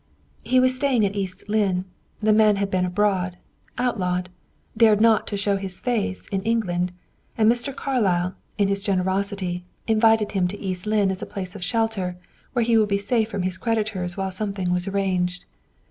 "He was staying at East Lynne. The man had been abroad; outlawed; dared not show his face in England; and Mr. Carlyle, in his generosity, invited him to East Lynne as a place of shelter, where he would be safe from his creditors while something was arranged.